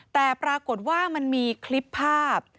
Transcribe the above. แต่ปรากฏว่ามันมีคลิปภาพ